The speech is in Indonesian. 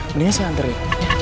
mendingan saya anterin